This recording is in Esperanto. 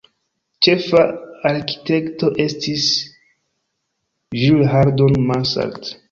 Ĉefa arkitekto estis Jules Hardouin-Mansart.